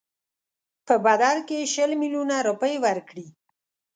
په بدل کې شل میلیونه روپۍ ورکړي.